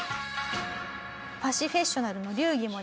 パシフェッショナルの流儀もですね